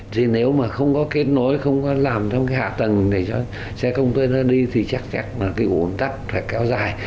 thì nếu mà không có kết nối không có làm trong cái hạ tầng để cho xe container đi thì chắc chắc là cái ổn tắc phải kéo dài